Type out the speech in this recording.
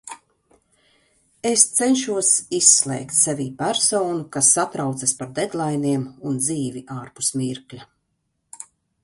Es cenšos izslēgt sevī personu, kas satraucas par deadlainiem un dzīvi ārpus mirkļa.